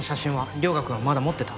涼牙くんはまだ持ってた？